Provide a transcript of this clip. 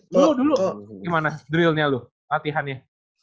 lu dulu gimana drill nya lu latihannya